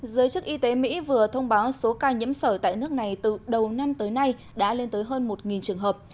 giới chức y tế mỹ vừa thông báo số ca nhiễm sở tại nước này từ đầu năm tới nay đã lên tới hơn một trường hợp